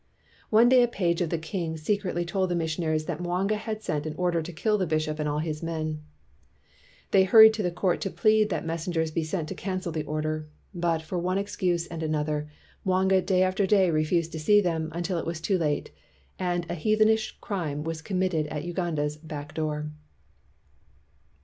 One day a page of the king secretly told the missionaries that Mwanga had sent an order to kill the bishop and all his men. 224 STURDY BLACK CHRISTIANS They hurried to the court to plead that mes sengers be sent to cancel the order; but for one excuse and another, Mwanga day after day refused to see them until it was too late, and a heathenish crime was committed at Uganda's "back door."